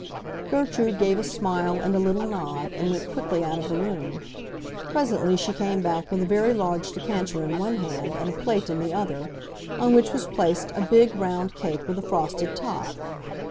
Gertrude gave a smile and a little nod, and went quickly out of the room. Presently she came back with a very large decanter in one hand and a plate in the other, on which was placed a big, round cake with a frosted top.